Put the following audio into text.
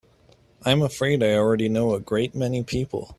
I'm afraid I already know a great many people.